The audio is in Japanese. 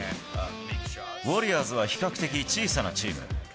ウォリアーズは比較的小さなチーム。